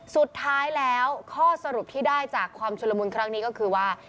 สุดท้ายแล้วข้อสรุปที่ได้จากความชุดละมุนครั้งนี้ก็คือว่า